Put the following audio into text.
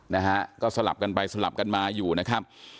นะฮะก็สลับกันไปสลับกันมาอยู่นะครับ